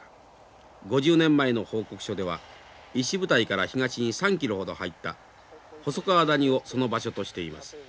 ５０年前の報告書では石舞台から東に３キロほど入った細川谷をその場所としています。